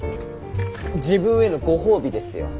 自分へのご褒美ですよ。